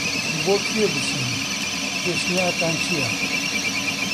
بۆ کوێ بچین؟ پێشنیارتان چییە؟